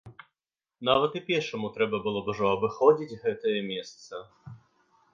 Нават і пешаму трэба было б ужо абыходзіць гэтае месца.